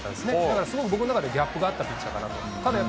だからすごく僕の中でギャップがあったピッチャーだったかなと。